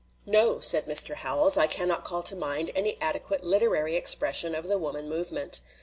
"No," said Mr. Howells, "I cannot call to mind any adequate literary expression of the woman movement.